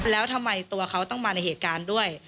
แล้วทำไมตัวเขาต้องมาในเหตุการณ์ด้วย